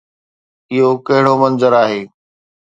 اهو ڪهڙو منظر آهي؟